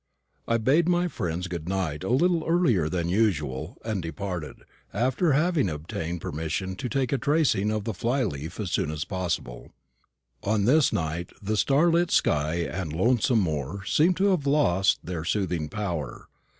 I bade my friends good night a little earlier than usual, and departed, after having obtained permission to take a tracing of the fly leaf as soon as possible. On this night the starlit sky and lonesome moor seemed to have lost their soothing power.